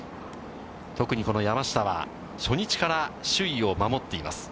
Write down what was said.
特にこの山下は、初日から首位を守っています。